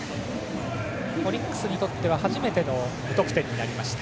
オリックスにとっては初めての無得点になりました。